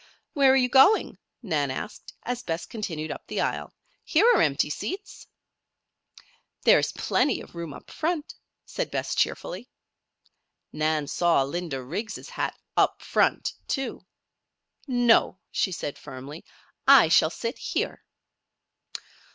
"Where are you going?" Nan asked, as Bess continued up the aisle. "Here are empty seats." "There is plenty of room up front," said Bess, cheerfully. Nan saw Linda Riggs' hat "up front," too. "No," she said firmly. "I shall sit here."